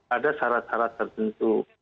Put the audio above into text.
ada syarat syarat tertentu